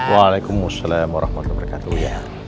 waalaikumsalam warahmatullahi wabarakatuh